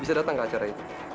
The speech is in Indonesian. bisa datang ke acara itu